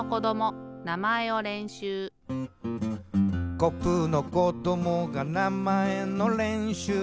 「コップのこどもがなまえのれんしゅう」